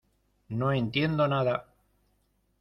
no entiendo nada.